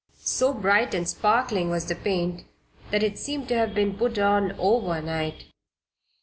So bright and sparkling was the paint that it seemed to have been put on over night.